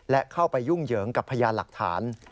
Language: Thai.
และเข้าไปยุ่งเหยิงกับพยานหลักฐาน